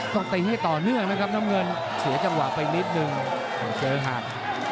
ต้องตีให้ต่อเนื่องนะครับน้ำเงินเสียจังหวะไปนิดนึงเจอหัก